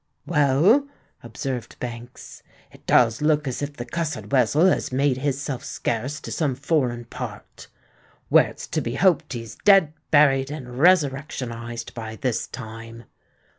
"Well," observed Banks, "it does look as if the cussed wessel had made his self scarce to some foreign part, where it's to be hoped he's dead, buried, and resurrectionised by this time."